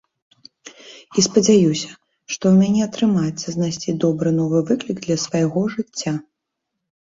І спадзяюся, што ў мяне атрымаецца знайсці добры новы выклік для свайго жыцця.